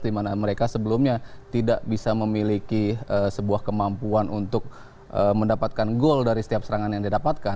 di mana mereka sebelumnya tidak bisa memiliki sebuah kemampuan untuk mendapatkan goal dari setiap serangan yang didapatkan